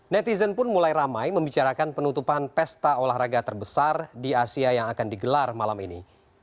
netizen pun mulai ramai membicarakan penutupan pesta olahraga terbesar di asia yang akan digelar malam ini